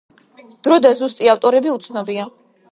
დრო და ზუსტი ავტორები უცნობია.